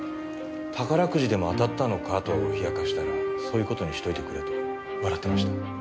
宝くじでも当たったのかと冷やかしたらそういう事にしといてくれと笑ってました。